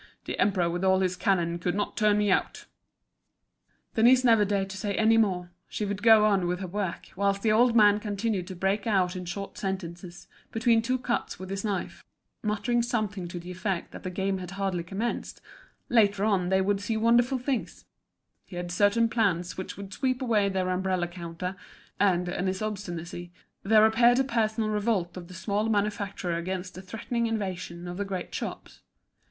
The emperor with all his cannon could not turn me out." Denise never dared say any more, she would go on with her work, whilst the old man continued to break out in short sentences, between two cuts with his knife, muttering something to the effect that the game had hardly commenced, later on they would see wonderful things, he had certain plans which would sweep away their umbrella counter; and, in his obstinacy, there appeared a personal revolt of the small manufacturer against the threatening invasion of the great shops.